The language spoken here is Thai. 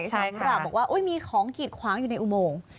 สำหรับว่าอุ๊ยมีของกิดคว้างอยู่ในอุโมง